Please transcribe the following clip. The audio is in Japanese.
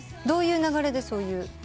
どういう流れでそういう？